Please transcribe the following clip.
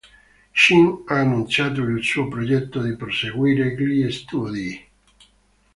Sheen ha annunciato il suo progetto di proseguire gli studi.